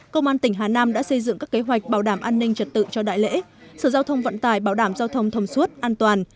công an tỉnh hà nam đã xây dựng các kế hoạch bảo đảm an ninh trật tự cho đại lễ sở giao thông vận tải bảo đảm giao thông thông suốt an toàn